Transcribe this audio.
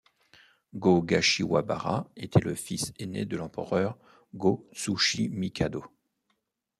Go-Kashiwabara était le fils aîné de l'empereur Go-Tsuchimikado.